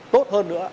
tốt hơn nữa